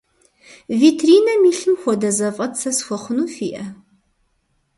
Витринэм илъым хуэдэ зэфӏэт сэ схуэхъуну фиӏэ?